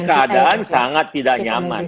keadaan sangat tidak nyaman